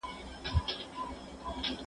ږغ د زهشوم له خوا اورېدل کيږي؟!